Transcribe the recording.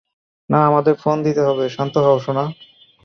না, আমাদের ফোন দিতে হবে-- - শান্ত হও, সোনা!